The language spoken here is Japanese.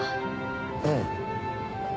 うん。